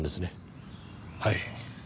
はい。